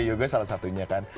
yoga salah satunya kan